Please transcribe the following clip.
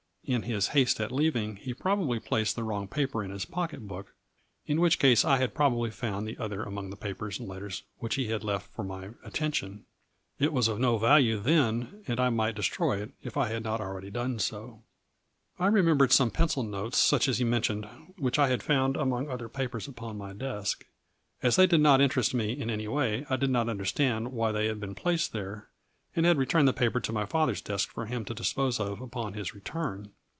In his haste at leaving he probably placed the wrong paper in his pocket book, in which case I had probably found the other among the papers and letters which he had left for my attention. It was of no value then, and I might destroy it, if I had not already done so, I remembered some pencil notes such as he mentioned which I had found among other papers upon my desk. As they did not interest me in any way, I did not understand why they had been placed there, and had returned the paper to father's desk for him to dispose of upon his return.